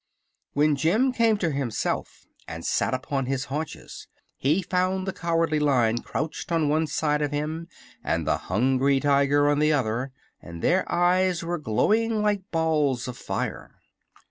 When Jim came to himself and sat upon his haunches he found the Cowardly Lion crouched on one side of him and the Hungry Tiger on the other, and their eyes were glowing like balls of fire.